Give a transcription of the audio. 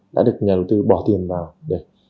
đã được nhà đầu tư bỏ tiền vào